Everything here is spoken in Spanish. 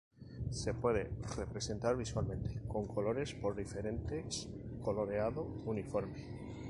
Se pueden representar visualmente con colores por diferentes coloreado uniforme.